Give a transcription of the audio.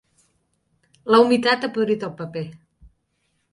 La humitat ha podrit el paper.